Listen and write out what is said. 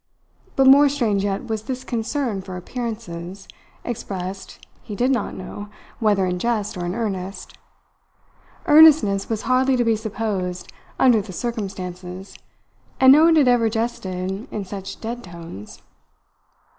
But more strange yet was this concern for appearances, expressed, he did not know, whether in jest or in earnest. Earnestness was hardly to be supposed under the circumstances, and no one had ever jested in such dead tones.